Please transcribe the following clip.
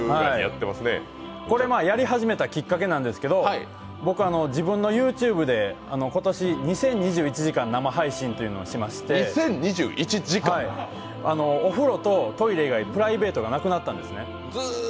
やり始めたきっかけなんですけど僕、自分のＹｏｕＴｕｂｅで今年２０２１時間生配信というのをしていまして、お風呂とトイレ以外、プライベートがなくなったんですね。